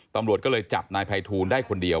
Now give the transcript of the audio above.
ตำรวจก็เลยจับนายภัยทูลได้คนเดียว